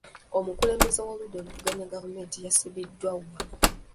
Omukulembeze w'oludda oluvuganya gavumenti yasibiddwa wa?